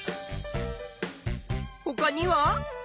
ほかには？